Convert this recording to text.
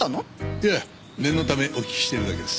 いえ念のためお聞きしてるだけです。